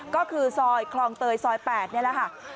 ก็คือซอยคลองเตยซอย๘นี่แหละค่ะ